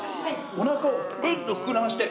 おなかをウッと膨らませて。